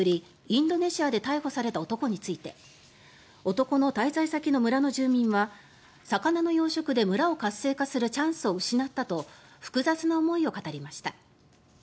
インドネシアで逮捕された男について男の滞在先の村の住民は魚の養殖で村を活性化するチャンスを失ったと複雑な思いを語りました。